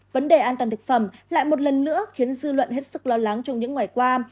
vấn đề an toàn thực phẩm lại một lần nữa khiến dư luận hết sức lo lắng trong những ngày qua